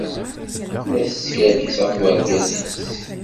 Tella teskerkis ɣef wergaz-nnes.